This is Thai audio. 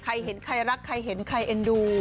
ใครเห็นใครรักใครเห็นใครเอ็นดู